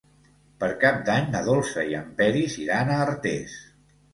Per Cap d'Any na Dolça i en Peris iran a Artés.